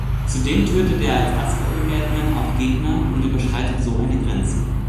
Zudem tötet er als Azrael-Batman auch Gegner und überschreitet so eine Grenze.